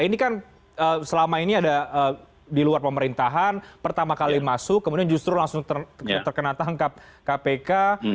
ini kan selama ini ada di luar pemerintahan pertama kali masuk kemudian justru langsung terkena tangkap kpk